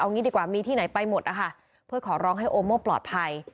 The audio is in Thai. งี้ดีกว่ามีที่ไหนไปหมดนะคะเพื่อขอร้องให้โอโม่ปลอดภัย